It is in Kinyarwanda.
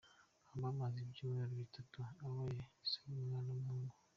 Humble amaze ibyumweru bitatu abaye se w'umwana w'umuhungu.